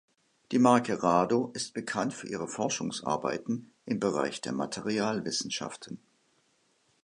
Die Marke Rado ist bekannt für ihre Forschungsarbeiten im Bereich der Materialwissenschaften.